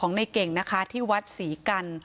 ทางไปที่งานศพของนายเก่งนะคะที่วัดศรีกัณฑ์